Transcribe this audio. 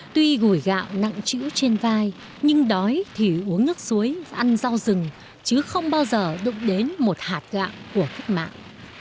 tuy gủi gạo nặng chữ trên vai nhưng đói thì uống nước suối và ăn rau rừng chứ không bao giờ đụng đến một hạt gạo của khích mạng